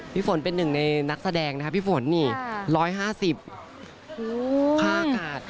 พี่ฝนเป็นหนึ่งในนักแสดงนะครับพี่ฝนนี่๑๕๐ค่าอากาศ